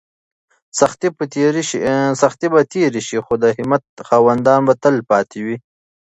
سختۍ به تېرې شي خو د همت خاوندان به تل پاتې وي.